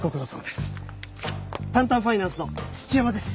タンタンファイナンスの土山です。